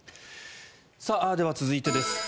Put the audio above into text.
では、続いてです。